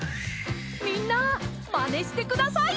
みんなまねしてください。